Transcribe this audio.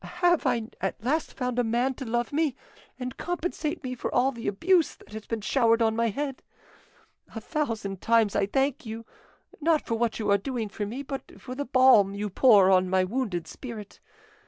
"Have I at last found a man to love me and compensate me for all the abuse that has been showered on my head? A thousand times I thank you, not for what you are doing for me, but for the balm you pour on my wounded spirit.